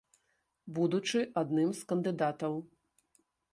Будучы адным з кандыдатаў.